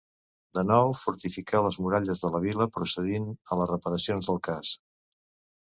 De nou, fortificà les muralles de la vila, procedint a les reparacions del cas.